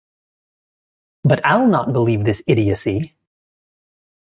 But I’ll not believe this idiocy!